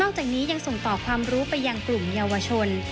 จากนี้ยังส่งต่อความรู้ไปยังกลุ่มเยาวชน